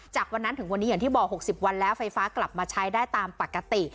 จากวันนั้นถึงวันนี้อย่างที่บอก๖๐วันแล้วไฟฟ้ากลับมาใช้ได้ตามปกติ